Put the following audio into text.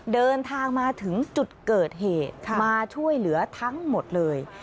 เดินทางมาถึงจุดเกิดเหตุมาช่วยเหลือทั้งหมดเลย